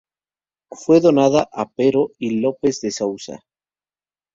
Fue donada a Pero Lopes de Sousa.